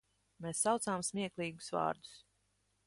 Mēs saucām smieklīgus vārdus.